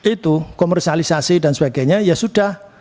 itu komersialisasi dan sebagainya ya sudah